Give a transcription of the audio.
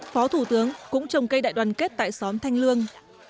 phó thủ tướng cũng trồng cây đại đoàn kết tại xóm thanh lương